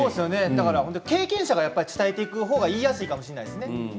経験者が伝えていく方が言いやすいかもしれないですね。